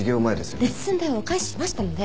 レッスン代はお返ししましたので！